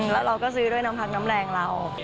แล้วเราก็ซื้อด้วยน้ำพักน้ำแรงเรา